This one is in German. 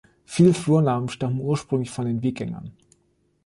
Viele Flurnamen stammen ursprünglich von den Wikingern.